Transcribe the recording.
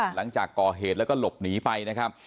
หลังจากก่อเหตุแล้วก็หลบหนีไปนะครับ